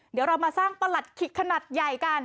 เดี๋ยวเรามาสร้างประหลัดขิกขนาดใหญ่กัน